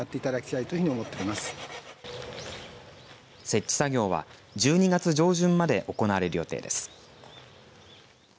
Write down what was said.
設置作業は１２月上旬まで行われる予定です。